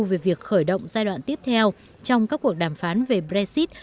về việc khởi động giai đoạn tiếp theo trong các cuộc đàm phán về brexit